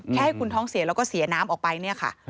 ให้คุณท้องเสียแล้วก็เสียน้ำออกไปเนี่ยค่ะ